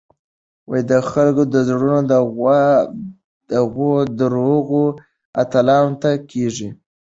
د خلکو زړونه دغو دروغو اتلانو ته کېږي.